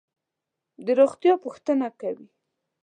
د روغتیا پوښتنه کوي.